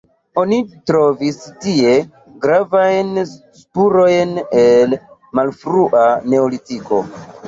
Oni trovis tie gravajn spurojn el malfrua neolitiko.